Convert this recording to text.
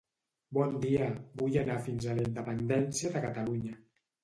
Bon dia, vull anar fins a la Independència de Catalunya.